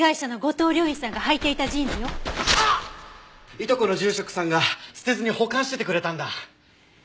いとこの住職さんが捨てずに保管しててくれたんだ。